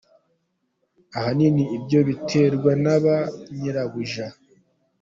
Ahanini ibyo biterwa na ba nyirabuja.